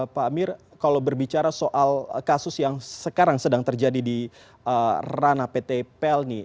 pak amir kalau berbicara soal kasus yang sekarang sedang terjadi di ranah pt pelni